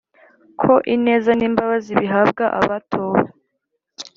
ko ineza n’imbabazi bihabwa abatowe,